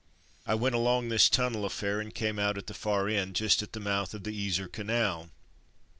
I went along this tunnel affair, and came out at the far end, just at the mouth of the Yser Canal.